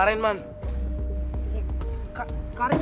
karin kenapa lagi karin